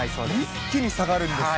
一気に下がるんですね。